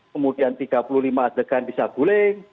kemudian tiga puluh lima adegan di sabulen